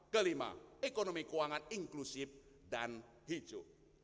kelima ekonomi keuangan inklusif dan hijau